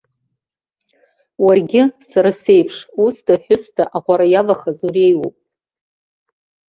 Уаргьы, сара сеиԥш, усда-ҳәысда аҟәара иавахаз уреиуоуп.